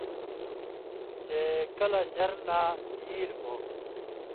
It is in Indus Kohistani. چے کلہۡ ژر لا نی ایلیۡ ہو۔